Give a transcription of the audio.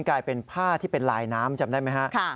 กลายเป็นผ้าที่เป็นลายน้ำจำได้ไหมฮะ